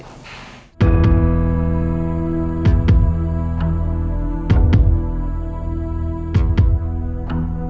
tanti sekarang kita jalan